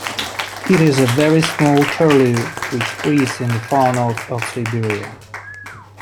It is a very small curlew, which breeds in the far north of Siberia.